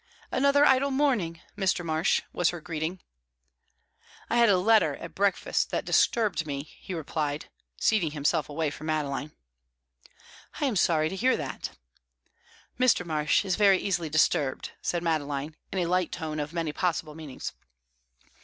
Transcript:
"Another idle morning, Mr. Marsh?" was her greeting. "I had a letter at breakfast that disturbed me," he replied, seating himself away from Madeline. "I'm sorry to hear that." "Mr. Marsh is very easily disturbed," said Madeline, in a light tone of many possible meanings.